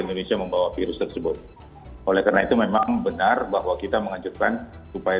indonesia membawa virus tersebut oleh karena itu memang benar bahwa kita mengajurkan supaya